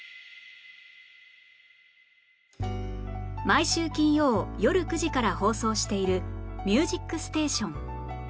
毎週金曜よる９時から放送している『ミュージックステーション』